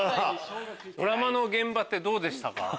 ドラマの現場どうでしたか？